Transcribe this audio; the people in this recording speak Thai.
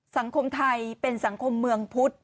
สังคมไทยเป็นสังคมเมืองพุทธ